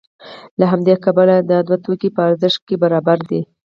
له همدې کبله دا دوه توکي په ارزښت کې برابر دي